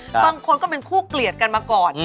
บางคนก็เป็นคู่เกลียดกันมาก่อน